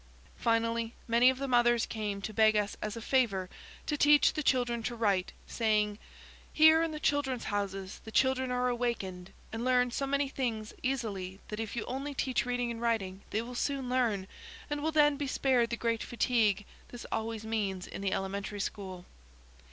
Finally, many of the mothers came to beg us as a favour to teach the children to write, saying, "Here in the 'Children's Houses' the children are awakened, and learn so many things easily that if you only teach reading and writing they will soon learn, and will then be spared the great fatigue this always means in the elementary school."